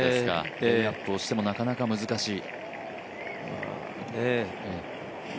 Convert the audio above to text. レイアップをしてもなかなか難しい。